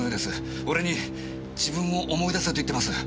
俺に自分を思い出せと言ってます。